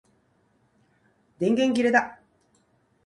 電池切れだ